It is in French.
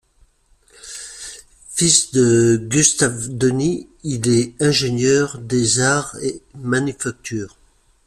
Fils de Gustave Denis, il est ingénieur des Arts et Manufactures.